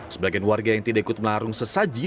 sebagian warga yang tidak ikut melarung sesaji